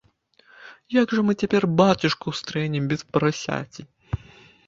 Як жа мы цяпер бацюшку стрэнем без парасяці?